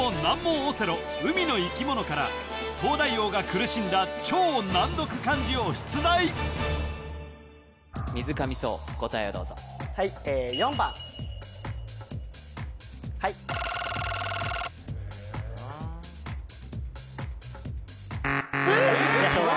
オセロ海の生き物から東大王が苦しんだ超難読漢字を出題水上颯答えをどうぞはいえはい・へええっ！？